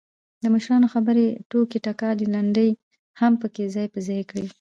دمشرانو خبرې، ټوکې ټکالې، لنډۍ هم پکې ځاى په ځاى کړي.